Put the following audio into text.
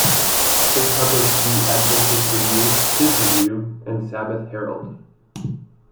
It published the "Adventist Review, Kids Review, and Sabbath Herald".